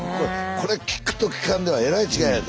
これ聞くと聞かんではえらい違いやで。